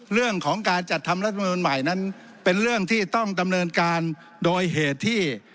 เรื่องของการจัดทำรัฐมนุนใหม่นั้นเป็นเรื่องที่ต้องดำเนินการโดยเหตุที่